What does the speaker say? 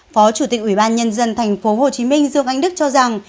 phó chủ tịch ủy ban nhân dân tp hcm dương anh đức cho rằng